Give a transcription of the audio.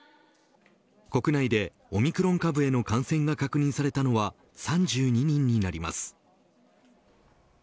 国内でオミクロン株への感染が確認されたのは３２人になります。